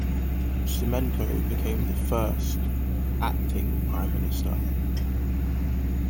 Symonenko became the first "acting Prime Minister".